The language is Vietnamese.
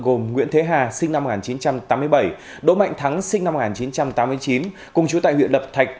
gồm nguyễn thế hà sinh năm một nghìn chín trăm tám mươi bảy đỗ mạnh thắng sinh năm một nghìn chín trăm tám mươi chín cùng chú tại huyện lập thạch